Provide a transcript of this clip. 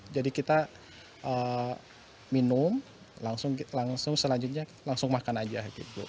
jadi kita minum langsung selanjutnya langsung makan aja